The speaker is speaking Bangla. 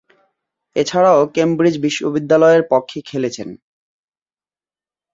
এছাড়াও, কেমব্রিজ বিশ্ববিদ্যালয়ের পক্ষে খেলেছেন।